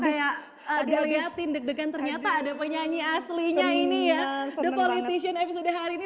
kayak dilihatin deg degan ternyata ada penyanyi aslinya ini ya the politician episode hari ini